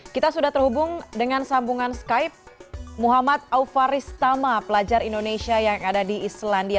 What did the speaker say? kita sudah terhubung dengan sambungan skype muhammad aufaristama pelajar indonesia yang ada di islandia